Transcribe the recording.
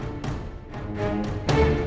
aku sudah berpikir